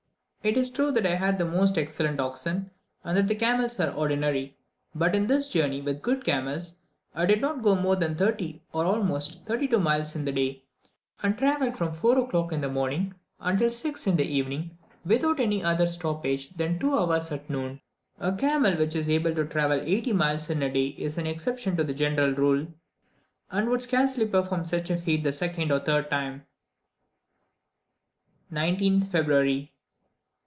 It is true that I had most excellent oxen, and that the camels were ordinary; but in this journey, with good camels, I did not go more than thirty, or at the utmost, thirty two miles in the day, and travelled from 4 o'clock in the morning until 6 in the evening, without any other stoppage than two hours at noon. A camel which is able to travel eighty miles in a day is an exception to the general rule, and would scarcely perform such a feat the second or third time. 19th February.